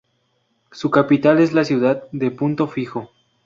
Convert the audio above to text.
Su capital es la ciudad de Punto Fijo.